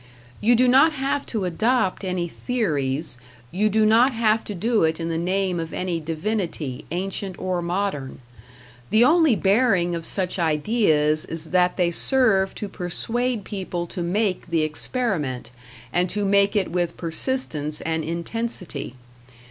You do not have to adopt any theories, you do not have to do it in the name of any divinity, ancient or modern; the only bearing of such ideas is that they serve to persuade people to make the experiment, and to make it with persistence and intensity.